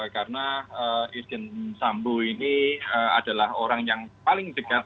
karena irjen sambo ini adalah orang yang paling dekat